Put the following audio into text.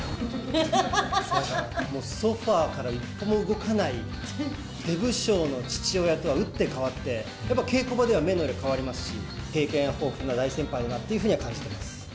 ソファから一歩も動かない、出不精の父親とは打って変わって、やっぱ、稽古場では目の色変わりますし、経験豊富な大先輩だなっていうふうには感じてます。